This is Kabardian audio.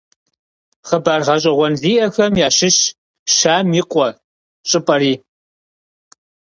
Хъыбар гъэщӀэгъуэн зиӀэхэм ящыщщ «Щам и къуэ» щӀыпӀэри.